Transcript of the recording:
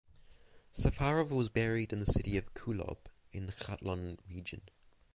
Safarov was buried in the city of Kulob in the Khatlon Region.